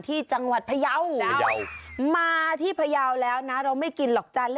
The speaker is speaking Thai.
ที่จังหวัดพยาวมาที่พยาวแล้วนะเราไม่กินหรอกจ้ะ